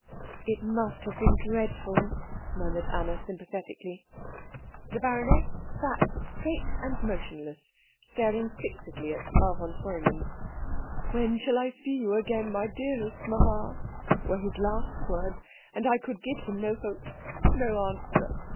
"It must have been dreadful," murmured Anna sympathetically. The baroness sat straight and motionless, staring fixedly at Frau von Treumann. "'When shall I see you again, my dearest mamma?' were his last words. And I could give him no hope no answer."